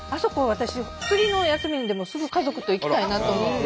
私次の休みにでも家族と行きたいなと思って。